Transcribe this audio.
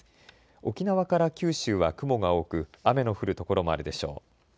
沖縄から九州は雲が多く雨の降る所もあるでしょう。